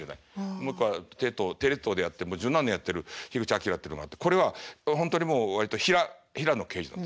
もう一個はテレ東でやってるもう十何年やってる「口顕」ってのがあってこれは本当にもう割と平の刑事だった。